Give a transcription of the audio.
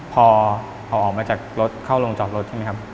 พอเอาออกมาจากรถเข้าลงจอดรถ